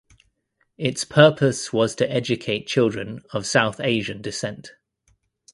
Its purpose was to educate children of South Asian descent.